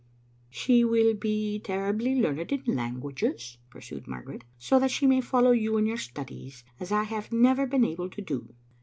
" She will be terribly learned in languages," pursued Margaret, " so that she may follow you in your studies, as I have never been able to do."